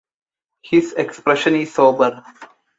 His expression is sober.